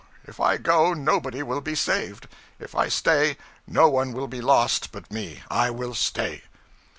If I go, nobody will be saved; if I stay, no one will be lost but me. I will stay.'